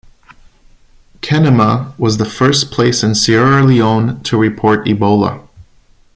Kenema was the first place in Sierra Leone to report Ebola.